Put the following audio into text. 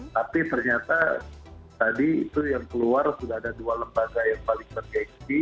tapi ternyata tadi itu yang keluar sudah ada dua lembaga yang paling tergensi